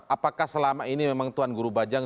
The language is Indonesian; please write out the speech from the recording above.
apakah selama ini memang tuan guru bajang